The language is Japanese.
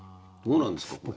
どうなんですか？